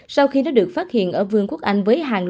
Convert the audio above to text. sau khi nó được phát hiện ở vương quốc anh